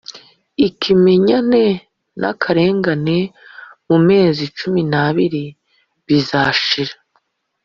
ikimenyane n ‘akarengane mu mezi cumi n’ abiri bizashira.